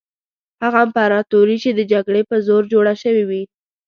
هغه امپراطوري چې د جګړې په زور جوړه شوې وي.